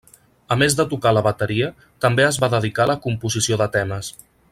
A més de tocar la bateria també es va dedicar a la composició de temes.